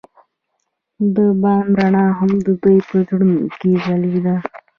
د بام رڼا هم د دوی په زړونو کې ځلېده.